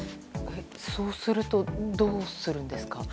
そうするとどうするんですか？